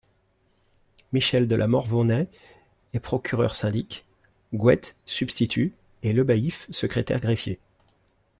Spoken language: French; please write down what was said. Michel de la Morvonnais est procureur syndic, Gouët substitut et Le Baillif secrétaire greffier.